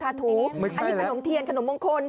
อันนี้ขนมเทียนขนมมงคล